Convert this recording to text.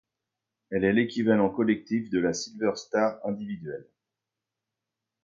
Elle est l'équivalent collectif de la Silver Star individuelle.